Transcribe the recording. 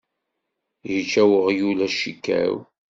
Yečča weɣyul acikaw.